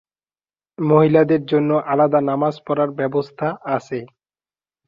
মহিলাদের জন্য আলাদা নামাজ পড়ার ব্যবস্থা আছে।